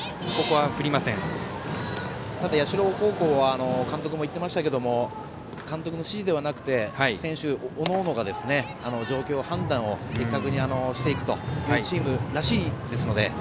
社高校は監督も言ってましたが監督の指示ではなくて選手おのおのが状況を判断を的確にしていくというチームらしいですので。